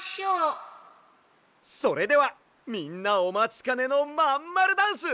それではみんなおまちかねのまんまるダンス。